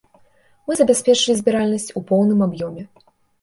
Мы забяспечылі збіральнасць у поўным аб'ёме.